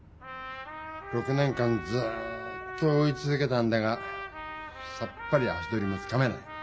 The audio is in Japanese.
６年間ずっと追いつづけたんだがさっぱり足取りがつかめない。